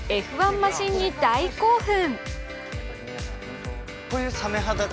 マシンに大興奮。